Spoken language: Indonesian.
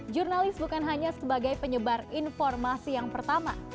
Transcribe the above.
jurnalis bukan hanya sebagai penyebar informasi yang pertama